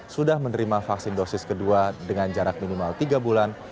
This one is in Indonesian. sudah menerima vaksin dosis kedua dengan jarak minimal tiga bulan